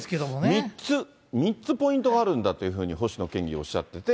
３つ、３つポイントがあるんだというふうに星野県議、おっしゃってて。